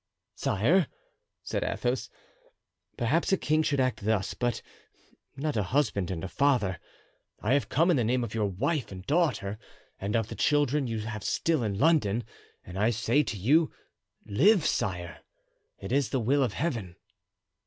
"Sire," said Athos, "perhaps a king should act thus, but not a husband and a father. I have come in the name of your wife and daughter and of the children you have still in London, and I say to you, 'Live, sire,'—it is the will of Heaven."